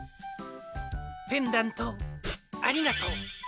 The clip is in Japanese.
ペンダントありがとう。